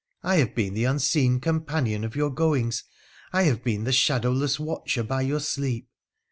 I have been the unseen companion of your goings — I have been the shadowless watcher by your sleep.